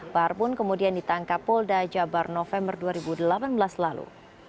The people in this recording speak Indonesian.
bahar pun kemudian ditangkap polda jabar november dua ribu delapan belas lalu